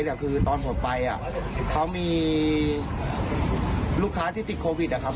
แต่คือตอนผมไปเขามีลูกค้าที่ติดโควิด